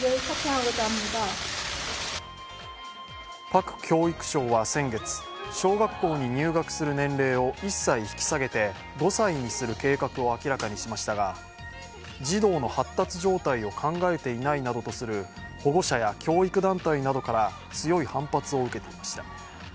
パク教育相は先月小学校に入学する年齢を１歳引き下げて５歳にする計画を明らかにしましたが児童の発達状態を考えていないなどとする保護者や教育団体などから強い反発を受けていました。